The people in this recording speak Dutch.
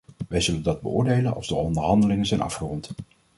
Wij zullen dat beoordelen als de onderhandelingen zijn afgerond.